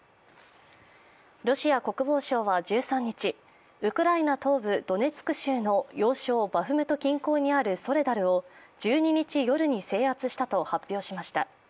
ロシア国防省は１３日ウクライナ東部ドネツク州の要衝バフムト近郊にあるソレダルを制圧したと発表しました。